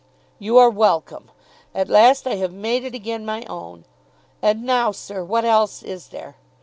"You are welcome. At last I have made it again my own. And now, sir, what else is there?